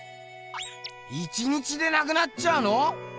１日でなくなっちゃうの？